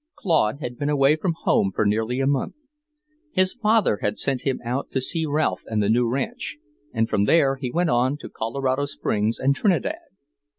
Claude had been away from home for nearly a month. His father had sent him out to see Ralph and the new ranch, and from there he went on to Colorado Springs and Trinidad.